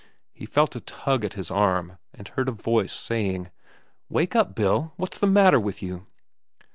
He felt a tug at his arm, and heard a voice saying: "Wake up, Bill! What's the matter with you?"